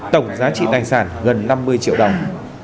tổng giá trị tài sản gần năm mươi triệu đồng